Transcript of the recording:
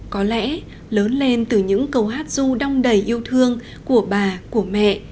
có lẽ lớn lên từ những câu hát ru đong đầy yêu thương của bà của mẹ